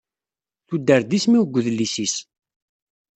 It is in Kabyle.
Tuder-d isem-iw deg udlis-is.